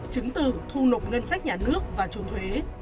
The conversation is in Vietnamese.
chứng từ thu nộp ngân sách nhà nước và trốn thuế